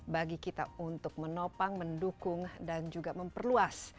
bagi kita untuk menopang mendukung dan juga memperluas